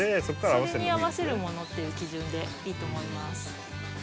それに合わせるものっていう基準でいいと思います。